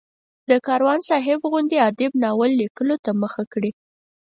د کاروان صاحب غوندې ادیب ناول لیکلو ته مخه کړي.